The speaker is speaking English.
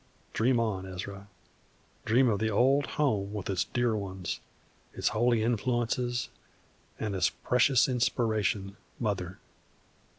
Dream on, Ezra; dream of the old home with its dear ones, its holy influences, and its precious inspiration, mother.